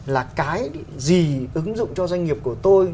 là cái gì ứng dụng cho doanh nghiệp của tôi